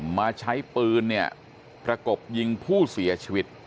มาใช้ปืนประกบงิ่งผู้เสียชีวิต